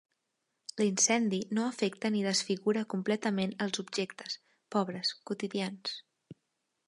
L'incendi no afecta ni desfigura completament els objectes, pobres, quotidians.